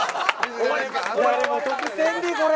誰も得せんで、これ。